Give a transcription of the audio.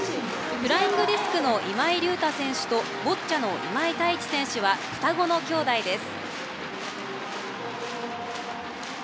フライングディスクの今井隆太選手とボッチャの今井太一選手は双子の兄弟です。